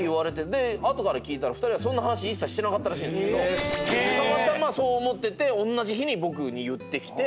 で後から聞いたら２人はそんな話一切してなかったらしいんですけどたまたまそう思ってておんなじ日に僕に言ってきて。